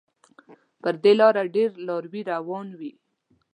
پر دې لاره ډېر لاروي روان وي.